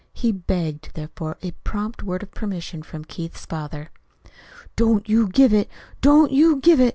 He begged, therefore, a prompt word of permission from Keith's father. "Don't you give it, don't you give it!"